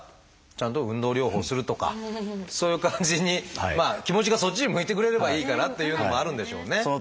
ちゃんと運動療法をするとかそういう感じにまあ気持ちがそっちに向いてくれればいいかなっていうのもあるんでしょうね。